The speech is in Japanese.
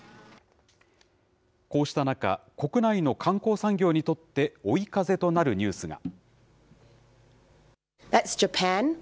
こうした中、国内の観光産業にとって追い風となるニュースが。